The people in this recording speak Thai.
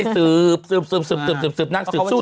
สืบตอนนั้นสู้